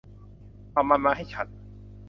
เอามันมาให้ฉัน